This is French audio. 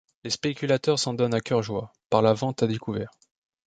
Les spéculateurs s'en donnent à cœur joie, par la vente à découvert.